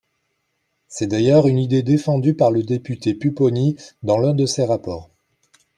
C’est d’ailleurs une idée défendue par le député Pupponi dans l’un de ses rapports.